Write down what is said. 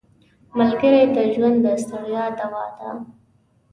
ملګری د ژوند د ستړیا دوا ده